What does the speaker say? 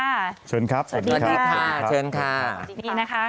สวัสดีครับสวัสดีค่ะสวัสดีค่ะสวัสดีค่ะสวัสดีค่ะสวัสดีค่ะ